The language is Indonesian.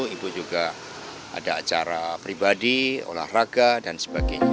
ibu juga ada acara pribadi olahraga dan sebagainya